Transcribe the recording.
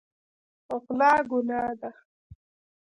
غلا ګناه ده.